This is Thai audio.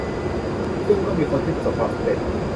ซึ่งก็มีคนที่ประสบความสำเร็จ